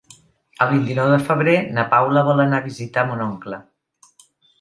El vint-i-nou de febrer na Paula vol anar a visitar mon oncle.